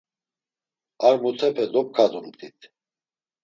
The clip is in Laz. Ar mutepe dopkadumt̆it.